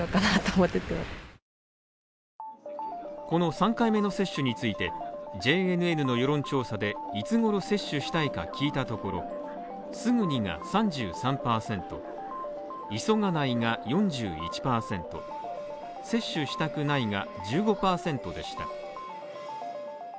この３回目の接種について、ＪＮＮの世論調査でいつごろ接種したいか聞いたところすぐにが３３％、急がないが４１％、接種したくないが１５％でした。